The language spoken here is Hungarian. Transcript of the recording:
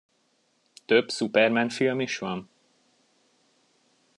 Több Superman film is van?